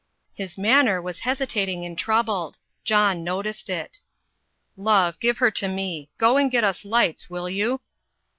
His manner was hesitating and troubled. John noticed it. "Love, give her to me. Go and get us lights, will you?"